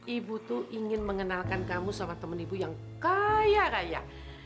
ibu tuh ingin mengenalkan kamu sama temen ibu yang kaya raya